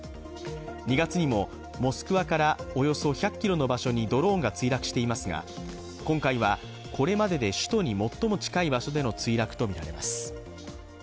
２月にもモスクワからおよそ１００ｋｍの場所にドローンが墜落していますが今回はこれまでで首都に最も近い場所での墜落とみられます。